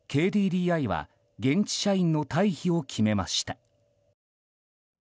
ＫＤＤＩは現地社員の退避を決めました。